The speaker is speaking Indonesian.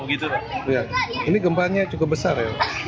ini gempanya cukup besar ya